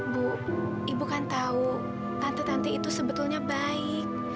bu ibu kan tahu tante tante itu sebetulnya baik